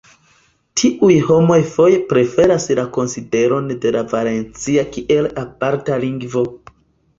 Tiuj homoj foje preferas la konsideron de la valencia kiel aparta lingvo.